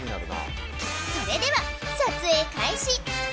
それでは撮影開始！